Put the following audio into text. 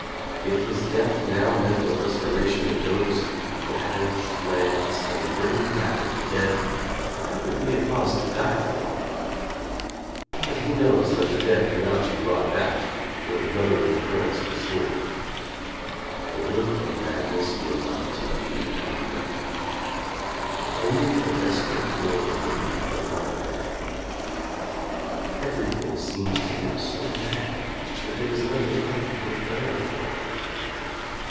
If his death now meant the restoration of those ravaged lands and the bringing back of the dead, that would be a cause to die for. But he knows that the dead can not be brought back or the brotherly currents re stored. The work of madness will not be undone. Only a desperate war will be prolonged. Every thing seems to him so mad that there is nothing left worth dying for.